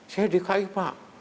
saya dki pak